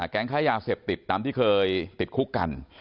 แก๊งค้ายาเสพติดตามที่เคยติดคุกกัน